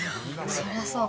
そりゃそうか。